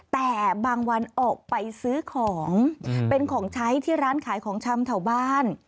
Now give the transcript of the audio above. แต่บางวันออกไปซื้อของเป็นของใช้ที่ร้านขายของชำแถวบ้าน